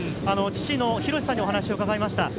父のひろしさんにお話を伺いました。